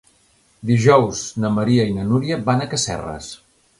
Dijous na Maria i na Núria van a Casserres.